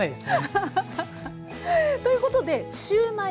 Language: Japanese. アハハハハ！ということでシューマイ。